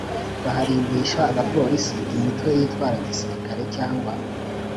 baharindisha abaporisi imitwe yitwara gisirikare cyangwa